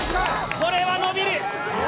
これは伸びる！